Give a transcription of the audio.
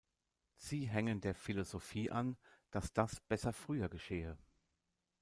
Sie hängen der Philosophie an, dass das besser früher geschehe.